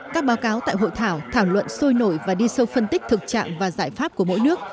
các báo cáo tại hội thảo thảo luận sôi nổi và đi sâu phân tích thực trạng và giải pháp của mỗi nước